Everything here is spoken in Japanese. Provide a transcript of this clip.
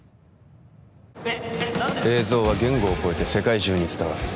映像は言語を超えて世界中に伝わる